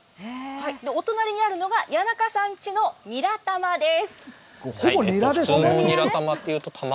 お隣にあるのが谷中さんちのニラたまです。